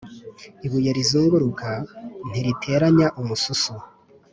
ibuye rizunguruka ntiriteranya umususu